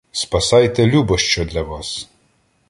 Спасайте, любо що для вас!